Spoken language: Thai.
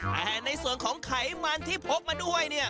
แต่ในส่วนของไขมันที่พบมาด้วย